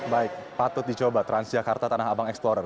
baik patut dicoba transjakarta tanah abang explorer